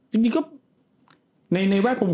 จริงก็ในแวดคลุม